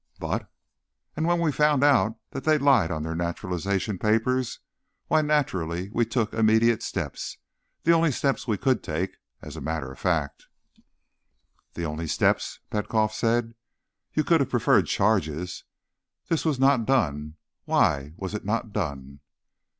"But—" "And when we found that they'd lied on their naturalization papers, why, naturally, we took immediate steps. The only steps we could take, as a matter of fact." "The only steps?" Petkoff said. "You could have preferred charges. This was not done. Why was it not done?"